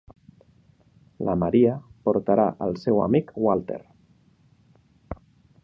La Maria portarà el seu amic Walter.